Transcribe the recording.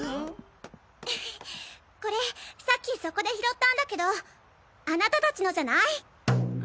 ・これさっきそこで拾ったんだけどあなたたちのじゃない？